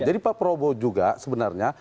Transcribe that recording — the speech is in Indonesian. jadi pak prabowo juga sebenarnya